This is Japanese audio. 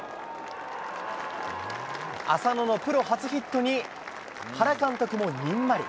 浅野のプロ初ヒットに、原監督もにんまり。